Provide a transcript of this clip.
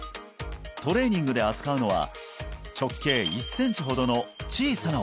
トレーニングで扱うのは直径１センチほどの小さな